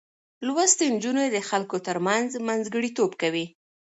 لوستې نجونې د خلکو ترمنځ منځګړتوب کوي.